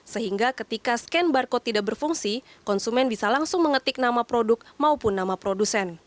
sehingga ketika scan barcode tidak berfungsi konsumen bisa langsung mengetik nama produk maupun nama produsen